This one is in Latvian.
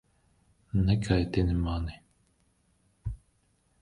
Nekaitini mani!